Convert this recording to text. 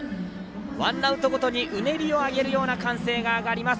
ワンアウトごとにうねりを上げるような歓声が上がります。